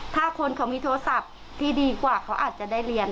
ถ้าคนเขามีโทรศัพท์ที่ดีกว่าเขาอาจจะได้เรียน